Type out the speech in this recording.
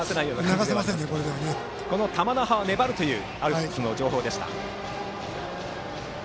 しかし玉那覇は粘るというアルプスの情報です。